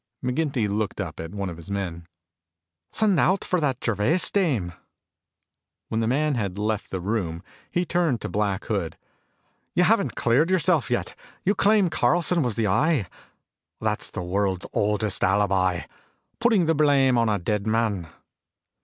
McGinty looked up at one of his men. "Send out for that Gervais dame." When the man had left the room, he turned to Black Hood. "You haven't cleared yourself yet. You claim Carlson was the Eye. That's the world's oldest alibi putting the blame on a dead man."